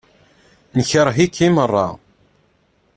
Nekṛeh-ik i meṛṛa.